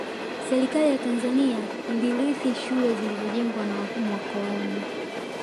Serikali ya Tanzania ilirithi shule zilizojengwa na wakoloni